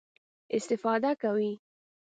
استفاده کوي.